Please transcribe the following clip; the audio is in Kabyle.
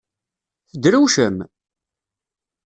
Tedrewcem?